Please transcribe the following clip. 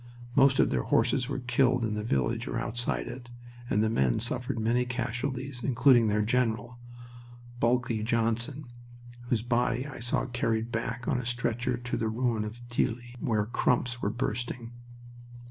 Most of their horses were killed in the village or outside it, and the men suffered many casualties, including their general Bulkely Johnson whose body I saw carried back on a stretcher to the ruin of Thilloy, where crumps were bursting.